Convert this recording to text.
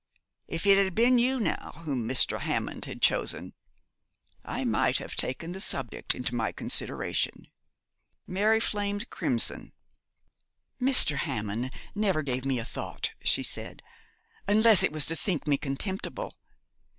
If it had been you, now, whom Mr. Hammond had chosen, I might have taken the subject into my consideration.' Mary flamed crimson. 'Mr. Hammond never gave me a thought,' she said, 'unless it was to think me contemptible.